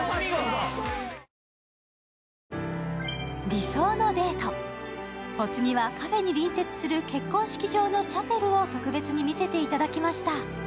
理想のデート、お次はカフェに隣接する結婚式場のチャペルを特別に見せていただきました。